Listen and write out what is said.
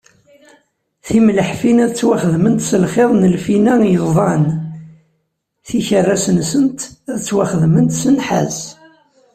Timleḥfin ad ttwaxedment s lxiḍ n lfina yeẓdan, tikerras-nsent ad ttwaxedment s nnḥas.